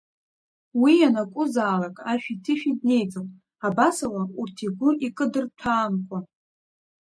Уи ианакәызаалак ашәиҭышәи днеиӡом абасала урҭ игәы икыдырҭәаамкәа.